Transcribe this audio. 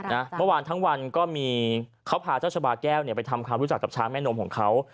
เมื่อวานทั้งวันก็มีเขาพาเจ้าชาบาแก้วเนี่ยไปทำความรู้จักกับช้างแม่นมของเขา